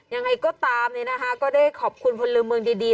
ยังไงก็ตามนี่นะคะก็ได้ขอบคุณผลเมืองดี